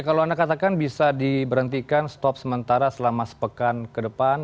kalau anda katakan bisa diberhentikan stop sementara selama sepekan ke depan